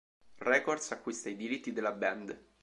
Records acquista i diritti della band.